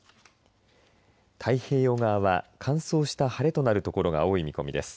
太平洋側は乾燥した晴れとなる所が多い見込みです。